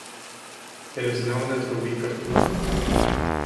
It's known as the Week of Blood.